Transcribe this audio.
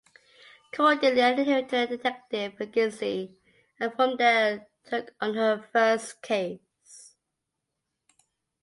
Cordelia inherited a detective agency and from there took on her first case.